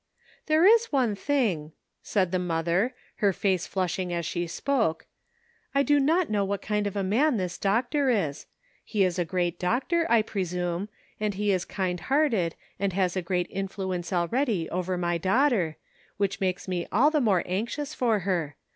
"There is one thing," said the mother, her face flushing as she spoke ;" I do not know what kind of a man this doctor is. He is a great doctor, I presume, and he is kind hearted and has a great influence already over my daughter, which makes me all the more anxious for her.